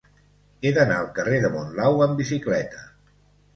He d'anar al carrer de Monlau amb bicicleta.